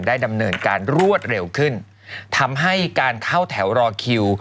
ดำเนินการรวดเร็วขึ้นทำให้การเข้าแถวรอคิว